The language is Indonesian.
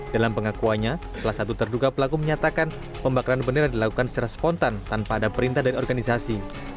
dalam pengakuannya salah satu terduga pelaku menyatakan pembakaran bendera dilakukan secara spontan tanpa ada perintah dari organisasi